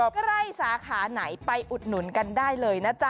ใกล้สาขาไหนไปอุดหนุนกันได้เลยนะจ๊ะ